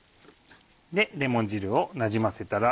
レモン汁をなじませたら。